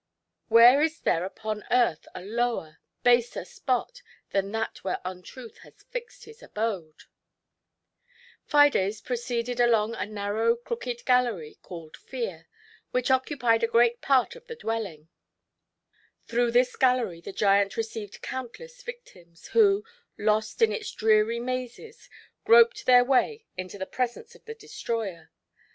Where is there upon earth a lower, baser spot than that where Untruth has fixed his abode ! Fides proceeded along a narrow crooked gallery called Fear, which occupied a great part of the dwelling; through this gallery the giant received countless victims, who, lost in its dreary mazes, groped their way into the presence of the destroyer.